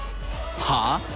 はあ！？